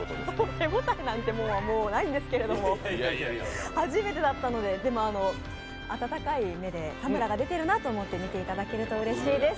手応えなんてもんは、もうないんですけど、初めてだったんででも、温かい目で、田村が出ているなと思って見ていただけると、うれしいです。